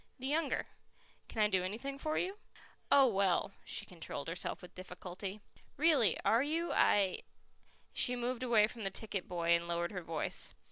"The younger. Can I do anything for you?" "Oh, well" she controlled herself with difficulty. "Really. Are you? I " She moved away from the ticket boy and lowered her voice.